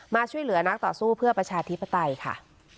มาช่วยเหลือนักต่อสู้เพื่อประชาธิปไตยค่ะ